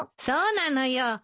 そうなのよ。